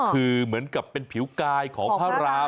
คือเหมือนกับเป็นผิวกายของพระราม